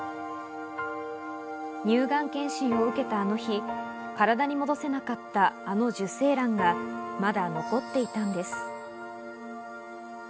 乳がん検診を受けたあの日、体に戻せなかったあの受精卵がまだ残っていたんです。